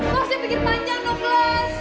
lo harusnya pikir panjang dong glas